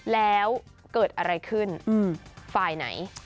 แล้วเกิดอะไรขึ้นฝ่ายไหน